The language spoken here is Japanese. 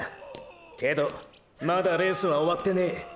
けどまだレースは終わってねェ。